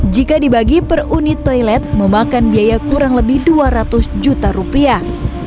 jika dibagi per unit toilet memakan biaya kurang lebih dua ratus juta rupiah